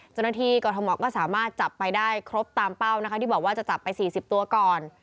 เจ้าหน้าที่กรทมก็สามารถจับไปได้ครบตามเป้านะคะที่บอกว่าจะจับไป๔๐ตัวก่อน